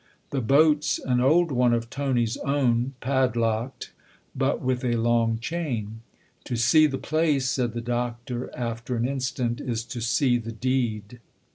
The boat's an old one of Tony's own pad locked, but with a long chain. To see the place,' said the Doctor after an instant, " is to see the deed."